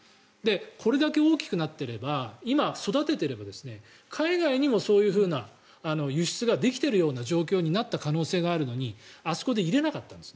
これだけ大きくなっていれば今、育てていれば海外にもそういうふうな輸出ができている状況になった可能性があったのにあそこで入れなかったんです。